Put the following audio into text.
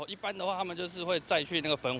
biasanya mereka akan ke penerbangan